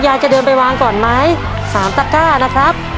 จะเดินไปวางก่อนไหม๓ตะก้านะครับ